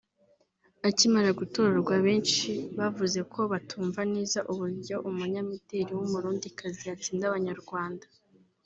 akimara gutorwa benshi bavuze ko batumva neza ‘uburyo umunyamideli w’Umurundikazi yatsinda Abanyarwanda